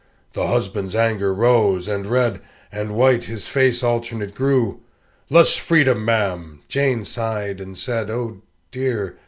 The husband's anger arose and red And white his face alternate grew. "Less freedom, ma'am!" Jane sighed and said, "Oh dear!